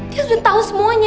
dia sudah tahu semuanya